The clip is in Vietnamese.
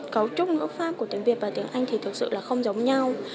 cấu trúc ngữ pháp của tiếng việt và tiếng anh thì thực sự là không giống nhau